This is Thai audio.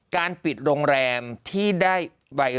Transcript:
การปิดโรงแรมที่ได้ไว